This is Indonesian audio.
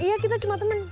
iya kita cuma temen